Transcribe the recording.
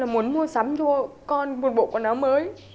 muốn mua sắm cho con một bộ quần áo mới